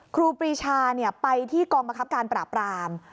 ครูปรีชาไปที่กองบังคับการปราบราม